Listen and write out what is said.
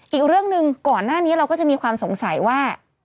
อีกเรื่องหนึ่งก่อนหน้านี้เราก็จะมีความสงสัยว่า